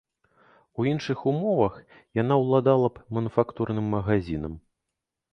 У іншых умовах яна ўладала б мануфактурным магазінам.